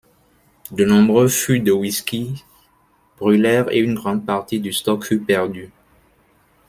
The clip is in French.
De nombreux fûts de whiskys brulèrent et une grande partie du stock fut perdue.